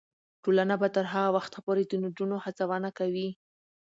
ټولنه به تر هغه وخته پورې د نجونو هڅونه کوي.